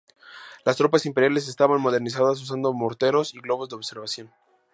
Las tropas imperiales estaban modernizadas, usando morteros y globos de observación.